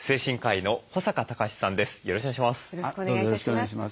よろしくお願いします。